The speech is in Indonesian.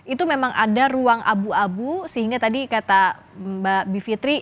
itu memang ada ruang abu abu sehingga tadi kata mbak bivitri